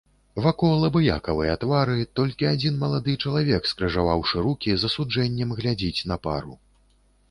Вакол абыякавыя твары, толькі адзін малады чалавек скрыжаваўшы рукі с асуджэннем глядзіць на пару.